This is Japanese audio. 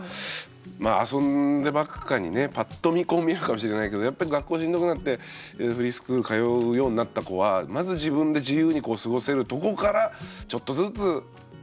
まあ遊んでばっかにねパッと見こう見えるかもしれないけどやっぱり学校しんどくなってフリースクール通うようになった子はまず自分で自由に過ごせるとこからちょっとずつ傷が癒えてきてみたいな。